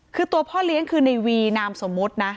คือตัวพ่อเลี้ยงคือในวีนามสมมุตินะ